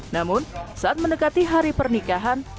namun saat mendekati hari pernikahan